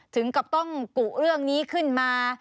ถึงกับต้องกุเรื่องนี้ขึ้นมา